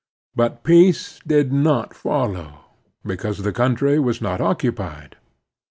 But peace did not follow, because the cotintry was not occupied.